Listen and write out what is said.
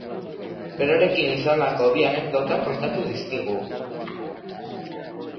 Berarekin izandako bi anekdota kontatu dizkigu.